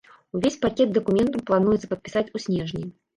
Увесь пакет дакументаў плануецца падпісаць у снежні.